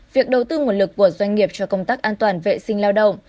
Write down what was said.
việc đầu tư nguồn lực của doanh nghiệp cho công tác an toàn vệ sinh lao động